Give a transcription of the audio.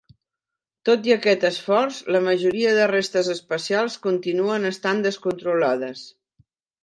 Tot i aquests esforços, la majoria de restes espacials continuen estant descontrolades.